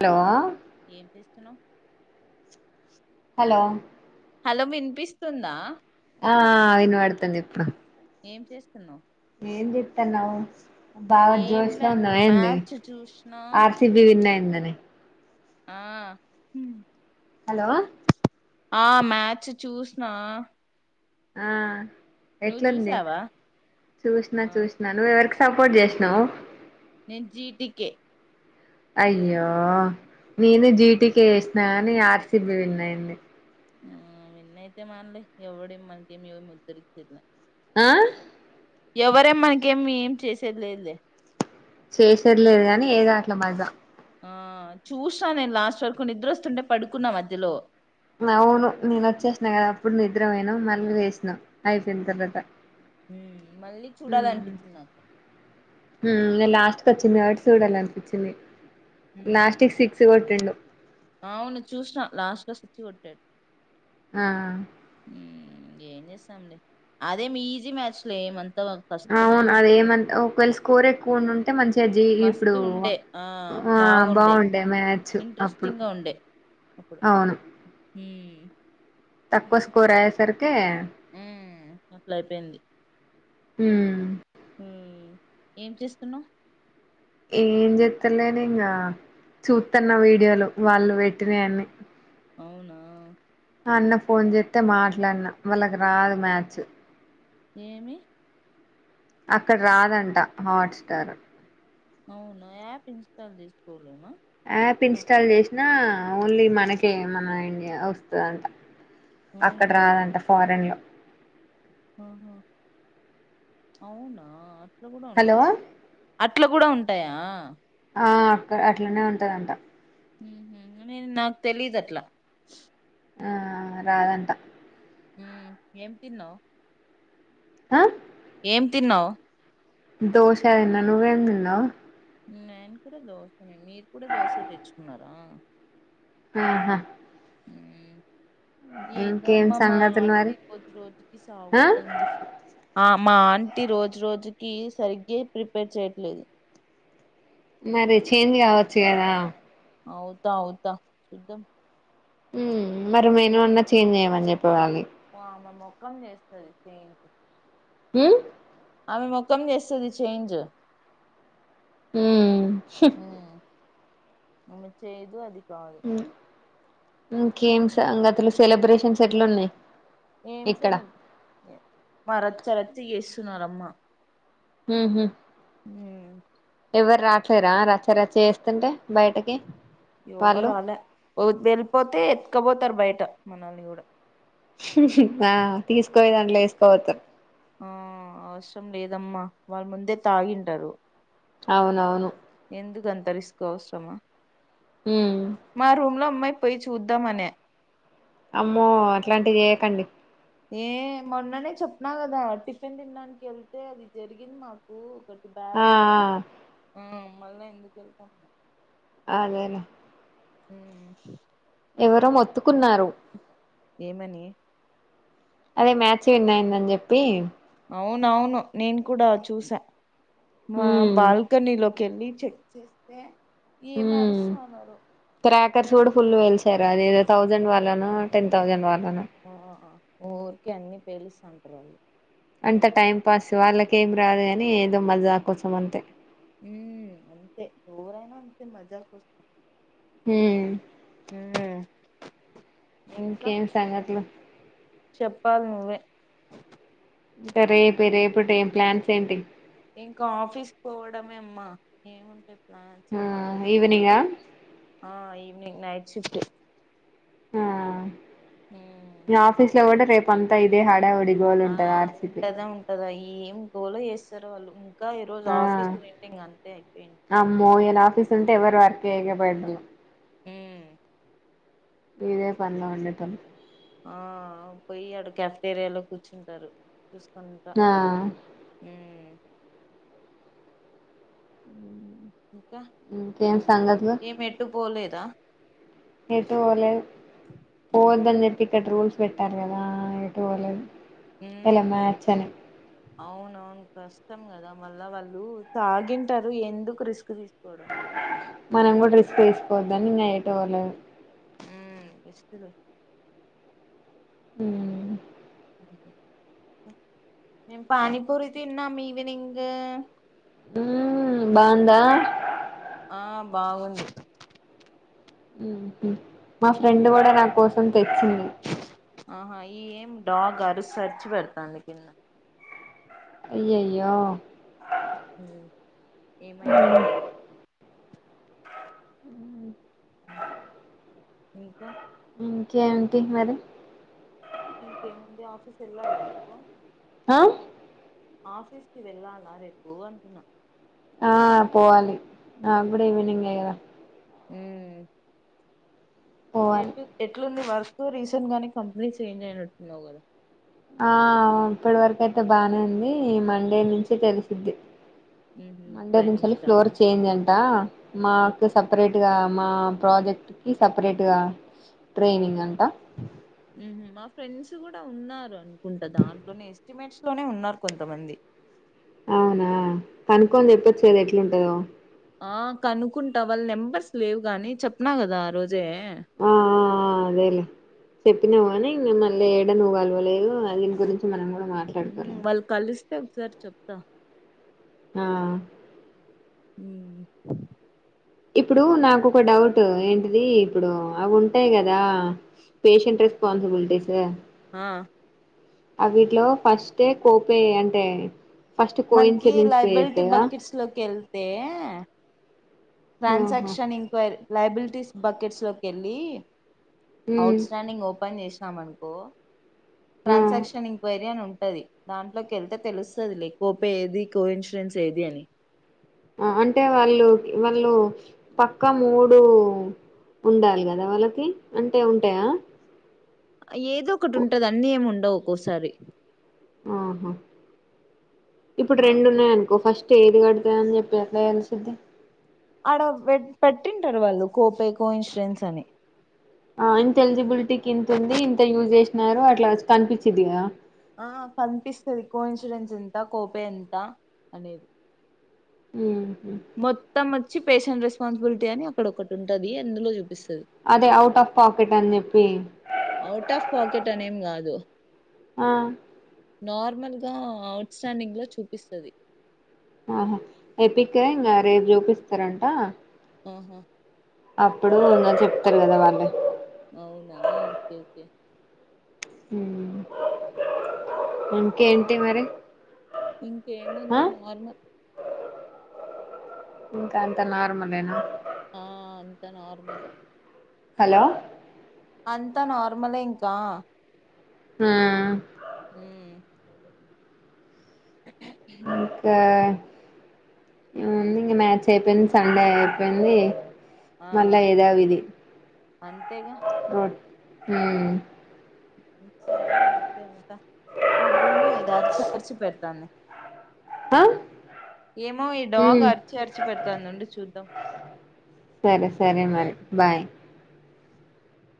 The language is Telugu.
హలో ఏం చేస్తున్నావ్ హలో హలో వినిపిస్తుందా అ అ అ వినబడుతుంది ఇప్పుడు ఏం చేస్తున్నావ్ ఏం జెతున్నావ్ బాగా జోష్ ఏంలే లో ఉన్నావ్ ఏంది మ్యాచ్ చూసిన ఆర్సిబి విన్నా అయిందని అ హ హలో ఆ మ్యాచ్ చూసిన ఆ నువ్వు ఎట్లుంది చూసావా చూసినా ఆ చూసినా నువ్వు ఎవరికి సపోర్ట్ చేసినావు నేను జిటికే అయ్యో నేను జీటిక ఎసినా గాని ఆర్సిబి విన్యంది ఆ విన్నయితే మానలే ఎవడ మనకెమి ఇ ఉద్దరి చెలే ఆ ఎవరే మనకేమి ఏం చేసేది లేదులే చేసెర్లేదు కానీ ఏదో అట్లా మాజా ఆ చూసీన నేను లాస్ట్ వరకు నిద్ర వస్తుంటే పడుకున్నా మధ్యలో అవును నేను వచ్చేసినా గదా అప్పుడు నిద్ర అయినా మళ్ళీ లేసినా అయిపోయిన తర్వాత మ్ మళ్ళీ మ్మ్ చూడాలనిపించింది నాకు లాస్ట్ కు వచ్చింది కాబట్టి చూడాలి అనిపించింది ఉమ్, లాస్ట్కి సిక్స్ కొట్టిండు అవును చూసిన లాస్ట్ లో సిక్స్ కొట్టాడు ఆ మ్ ఏం చేస్తాంలే అదే మీ ఈజీ మ్యాచ్ లే ఎమంతా అవును అదేమంత ఒకవేళ స్కోర్ ఎక్కువ ఉండి ఉంటే మంచి చజీ ఇప్పుడు మస్తు ఉండే ఆ ఆ బాగుండే మ్యాచ్ అప్పుడు ఇంట్రెస్టింగ్ గా ఉండే అప్పుడు అవును మ్ తక్కువ స్కోర్ అయ్యే సరికే ఉ అట్లా అయిపోయింది ఉమ్ మ్ ఏం చేస్తున్నావ్ ఏం జెత్తలేను ఇంగా చూస్తున్న వీడియోలు వాళ్ళు పెట్టినా అన్ని అవునా అన్న ఫోన్ చేస్తతే మాట్లాడిన వాళ్ళకి రాదు మ్యాచ్ ఏమి అక్కడ రాదంట హాట్ స్టార్ అవునా యాప్ ఇన్స్టాల్ చేసుకోవ యాప్ ఇన్స్టాల్ చేసినా ఓన్లీ మనకే మన ఇండియా వస్తదంట అక్కడ ఓహో రాదంట ఫారెన్ లో ఆహా అవునా అట్లా గూడా హలో ఉంటాయి అట్లా గూడా ఉంటాయా ఆ అక్క అట్లనే ఉంటదంట నేను నాకు తెలీదు అట్లా ఆ రాదంట ఏం తిన్నావు ఆ ఏం తిన్నావు దోశా తిన్నా నువ్ ఏం తిన్నావ్ నేను కూడా దోశ ఏ మీరు కూడా దోశ తెచ్చుకున్నారా ఆహా ఉమ్ ఏందో ఇంకేం అమ్మా మా సంగతులు మరి వాళకి రోజు రోజుకి ఆ సావాగొడతాంధి ఇప్ ఆ మా ఆంటీ రోజు రోజుకి సరిగే ప్రిపేర్ చేయట్లేదు మరి చేంజ్ కావచ్చు కదా అవుతా అవుతా చూద్దాం ఉమ్ మరి మేను అన్నా చేంజ్ చేయ్యమని చెప్పేవాలి ఓ ఆమె మొక్కం చేస్తది ఉమ్ ఊమ్ ఆమె మొఖం చేస్సది చేంజ్ ఉమ్ హు మ్మ్. ఆమె చేయదు అది కాదు ఇంకేమ్ సంగతులు సెలబ్రేషన్స్ ఎట్ల ఉన్నాయి ఏం సెల మా రచ్చ రచ్చ చేస్తున్నారు అమ్మా ఉంహు ఉమ్ ఎవ్వరు రాట్లేరా రచ్చరచ్చ చేస్తుంటే బయటకి ఎవరు వాళ్ళు రాలే అద్ వెళ్ళిపోతే ఎతుకపోతారు బయట మనల్ని కూడా ఆ తీసుకవోయి దాంట్లో వేసుకోతారు ఆ అవసరం లేదమ్మా వాళ్ ముందే తాగింటారు అవునవును ఎందుకన్త రిస్క్ అవసరమా హ్మ్ మా రూమ్ లో మై పోయ్ చూద్దామనే అమ్మో అట్లాంటిది చేయకండి ఏ మొన్ననే చెప్న్నా కదా టిఫిన్ తిినడానికి వెళ్తే అది జరిగింది మాకు ఒక ఆ బ్యాడ్ ఇచ్చ ఆ మళ్ళ ఎందుకు వెళ్తా అదేలే ఉమ్ ఎవరో మొత్తుకున్నారు ఏమని అదే మ్యాచింగ్ అయిందని చెప్పి అవునవును నేను కూడా చూసా మా హ్మ్ బాల్కనీ లోకి వెళ్ళి చెక్ చేస్తే ఏమరుసన్నారు అక్కడ చూడు ఫుల్ వెళ్సారు అదేధో థౌసండ్ వాళ్నను టెన్ థౌసండ్ వాళ్ ఆ ఊరికకే అన్ని పేలుసన్టారు ఆల్ అంత టైం పాస్ వాళ్ళకేం రాదు కాని ఏదో మజ్జా కోసం అంతే ఉ అంతే ఎరైనా అంతే మజ్జా కోసం హ్మ్ ఉమ్మ్ ఇంకా ఇంకేం సంగతులు చెప్పాలి నువ్వే ఇంకా రేపు రేపుటి ఏం ప్లాన్స్ ఏంటి ఇంకా ఆఫీస్ పోవడమే అమ్మా ఏముంట ఆ ఈవినింగా ఆ ఈవినింగ్ నైట్ షిఫ్ట్ ఆ ఉమ్ నా ఆఫీస్లో కూడా రేపు అంతా ఇదే హడావుడి గోల్ ఆ ఉంటది ఆర్సిపి ఉంటదా ఉంటదా ఏం గోల చేస్తారో వాళ్ళు ఇంకా ఈరోజు ఆ ఆఫీస్ ఉనింటే ఇంగ అంతే అయిపోయింది సుంటే ఎవరు ఆర్కే హేగ బయడు ఉమ్మ్ ఇదే పనిలో ఉండేటోళ్లు ఆ పొయ్యి ఆడ కెఫేడేలో కూర్చుంటారు కొంత ఆ ఉమ్మ్ ఇంకా ఇంకేం సంగతులు ఏం ఎటు పోలేదా ఏటుపోలేదు ఉమ్ పోవద్దని చెప్పి ఇక్కడ రూల్స్ పెట్టారు కదా ఎటు పోలేదు ఇలా ఉమ్మ్ మ్యాచ్ అని అవునవును కష్టం కదా మళ్ళా వాళ్ళు తాగింటారు ఎందుకు రిస్క్ తీ మనం కూడా రిస్క్ తీసుకోవద్దని ఇంగ ఎటు పోలేదు ఉమ్మ్ బెస్ట్ లే ఉమ్మ్ మేం పానీపూరి తిన్నాం ఈవినింగ్ ఉమ్మ్ బావుందా ఆ బాగుంది మ్మ్ఉహ్మ్ మా ఫ్రెండ్ కూడా నాకోసం అహా ఈ ఏం డాగ్ అరిసిసరిచి పెడతాంది కింద అయ్యయ్యో ఉమ్మ్ ఏమైందో దా ఉమ్ ఇంకా ఇంకేంటి మరి ఇంకేముంది ఆఫీస్ ఎళ్ళాలా రేపు ఆ ఆఫీస్‌కి వెళ్ళాలా రేపు అంటున్నా ఆ పోవాలి నాకుడా ఈవినింగే కదా ఉమ్మ్ ఇంకా పోవాలి ఎటు ఎట్లుంది వర్ కు రీసెంట్గానే కంపెనీ చేంజ్ అయినట్టున్నావు కదా ఆ ఇప్పటి వరకు అయితే బానే ఉంది ఈ మండే నుంచి తెలిసిది ఉహు మండే ట్రైనింగ్ నుంచేలి స్టార్ట్ ఫ్లోర్ ఆ చేంజ్ అంటా ఆ మాకు సపరేట్గా మా ప్రాజెక్టుకి సపరేట్గా ట్రైనింగ్ అంట ఉమ్మ్ హూ మా ఫ్రెండ్స్ కూడా ఉన్నారు అనుకుంటా దాంట్లోనే ఎస్టిమేట్స్‌లోనే ఉన్నారు కొంతమంది అవునా కనుక్కొని చెప్పొచ్చే ఎట్లుంటదో ఆ కనుక్కుంటా వాళ్ల నెంబర్స్ లేవు గాని చెప్పినా కదా ఆరోజే ఆ అదేలే చెప్పినావు కానీ ఇంకా మళ్లీ ఏడ నువ్వు కలువలేదు దీని గురించి మనం కూడా ఉమ్మ్ మాట్లాడుకోలేదు వాళ్లు కలిస్తే ఒకసారి చెప్తా ఆ ఉమ్మ్ ఇప్పుడు నాకు ఒక డౌ ట్ ఏంటిది ఇప్పుడు అవి ఉంటాయి కదా పేషెంట్ రెస్పాన్సిబిలిటీస్ ఆ అవిట్లో ఫస్టే కోపే అంటే ఫస్ట్ కో మనకి ఇన్సిడెన్స్ పే లైబ [unintelligible] చేత్తదా బకిట్స్ లోకి వెళ్తే ఆహా ట్రాన్సాక్షన్ ఇంక్వైరీ లయబిలిటీస్ బకిట్స్ లోకి ఎళ్లి ఉమ్ అవుట్ స్టాండింగ్ ఓపెన్ చేసినాం అనుకో ఆ ట్రాన్సాక్షన్ ఇంక్వైరీ అని [unintelligible] దాంట్లోకి వెళ్తే తెలుస్తది లే కోపే ఏది కో ఇన్సూరెన్స్ ఏది అని అంటే వాళ్లు వాళ్లు పక్కా మూడు ఉండాలి కదా వాళ్లకి అంటే ఉంటాయ ఏదో ఒకటి ఉంటది అన్నీ ఏమి ఉండవు ఒక్కోసారి అహా ఇప్పుడు ఆ రెండు ఉన్నాయనుకో ఫ [unintelligible] అని చెప్పి ఎట్లా తెలిసిద్ధి ఆడ పె పెట్టింటారు వాళ్లు కోపే కో ఇన్సూరెన్స్ అని ఆ ఇంత ఎలిజిబుల్టీకి ఇంతుంది ఇంత యూజ్ చేసినారు అట్లా కనిపిచ్చిది కదా ఆ కనిపిస్తది కో ఇన్సూరెన్స్ ఎంత కోపే ఎంత అనేది ఉ మొత్తం వచ్చి పేషెంట్ రెస్పాన్సిబిలిటీ అని అక్కడ ఒకటి ఉంటది అందులో చూపిస్ అదే అవుట్ ఆఫ్ పాకెట్ అని చెప్పి దో ఆ నార్మల్గా అవుట్ స్టాండింగ్ లో చూపిస్తది అహా ఎప్పిక ఇంగా రేపు చూపిస్తారంట అహా అప్పుడు ఇంగ చెప్తారు కదా వాల్లే అవునా ఓకే ఓకే ఇంకేంటి మరి ఆ ఇంకేముంది నార్మల్ ఇంక అంత నా ఆ అంత నార్మల్ హలో అంత నార్మలే ఇంకా ఆ ఉ ఇంకా ఏముంది [unintelligible] సెకండ్ సండే అయిపోయింది ఆ మళ్ళా ఏద విది అంతేగా హు సరేలే అయితే వుంట [unintelligible] ఆ ఏమో ఈ డాగ్ ఉమ్ అరిచి అరిచి పెడతాంది వుండు చూద్దాం సరే సరే మరి బాయ్